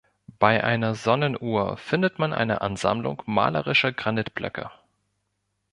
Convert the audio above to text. Bei einer Sonnenuhr findet man eine Ansammlung malerischer Granitblöcke.